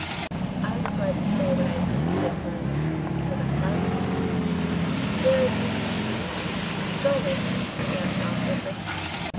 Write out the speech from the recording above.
"I was led to say what I did," said Tarling, "because I loved you." "Where are you we going?" she asked awkwardly.